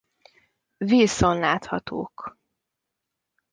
Wilson láthatók.